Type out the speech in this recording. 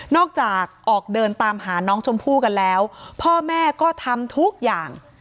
อกจากออกเดินตามหาน้องชมพู่กันแล้วพ่อแม่ก็ทำทุกอย่าง